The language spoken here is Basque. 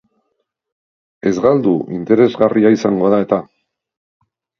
Ez galdu, interesgarria izango da eta!